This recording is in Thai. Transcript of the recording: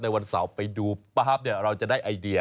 วันเสาร์ไปดูป๊าบเราจะได้ไอเดีย